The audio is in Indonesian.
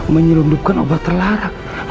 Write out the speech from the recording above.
menyelundupkan obat terlarang